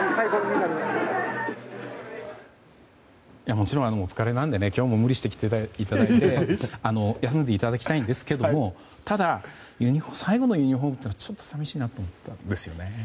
もちろんお疲れなので今日も無理して来ていただいて休んでいただきたいんですがただ、最後のユニホームというのはちょっと寂しいなと思ったんですよね。